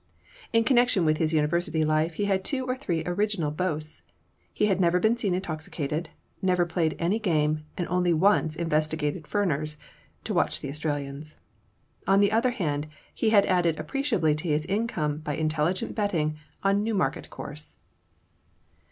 In connection with his university life he had two or three original boasts: he had never been seen intoxicated, never played any game, and only once investigated Fenner's (to watch the Australians). On the other hand, he had added appreciably to his income by intelligent betting on Newmarket course.